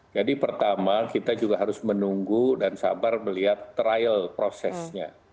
jadi pertama kita juga harus menunggu dan sabar melihat trial prosesnya